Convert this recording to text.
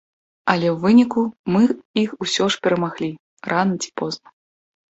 Але ў выніку мы іх усё ж перамаглі, рана ці позна.